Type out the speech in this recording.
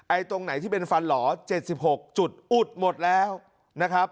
ไอตรงไหนที่เป็นฟันหล่อเจ็ดสิบหกจุดอุดหมดแล้วนะครับ